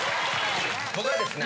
・僕はですね。